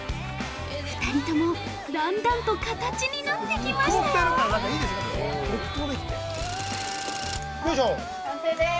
２人とも、だんだんと形になってきましたよー。